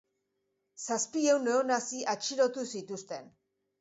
Zazpiehun neonazi atxilotu zituzten.